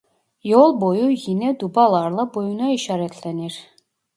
Yol boyu yine dubalarla boyuna işaretlenir.